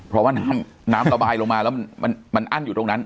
เพราะว่าน้ำระบายลงมาแล้วมันอั้นอยู่ตรงนั้น